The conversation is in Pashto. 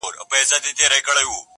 نجلۍ د سخت درد سره مخ کيږي او چيغي وهي,